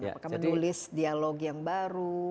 apakah menulis dialog yang baru